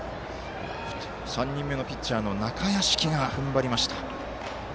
３人目のピッチャーの中屋敷がふんばりました。